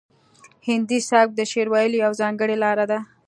هندي سبک د شعر ویلو یوه ځانګړې لار ده